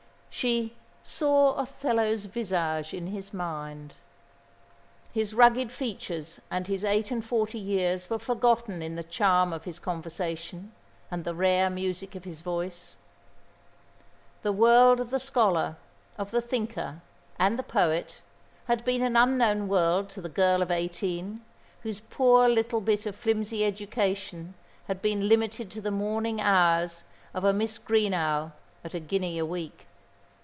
She "saw Othello's visage in his mind." His rugged features and his eight and forty years were forgotten in the charm of his conversation and the rare music of his voice. The world of the scholar, of the thinker, and the poet, had been an unknown world to the girl of eighteen, whose poor little bit of flimsy education had been limited to the morning hours of a Miss Greenhow at a guinea a week.